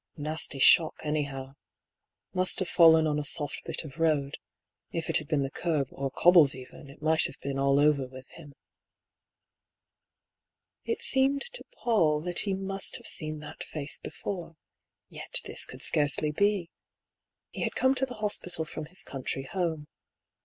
Nasty shock, anyhow. Must have fallen on a soft bit of road ; if it had been the kerb, or cobbles even, it might have been all over with him." It seemed to Paull that he must have seen that face before. Yet this could scarcely be. He had come to the hospital from his country home.